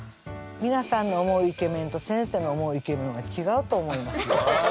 皆さんが思うイケメンと先生の思うイケメンは違うと思います。